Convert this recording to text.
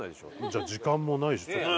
じゃあ時間もないしちょっと。